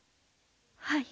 はい。